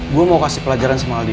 gue mau kasih pelajaran sama aldi